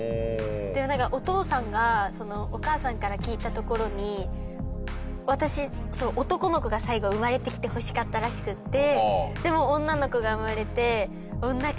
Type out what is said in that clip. でもお父さんがお母さんから聞いたところに私男の子が最後生まれてきてほしかったらしくて。